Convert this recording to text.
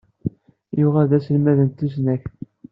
Yuɣal d aselmad n tusnakt.